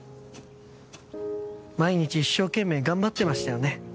毎日一生懸命頑張ってましたよね？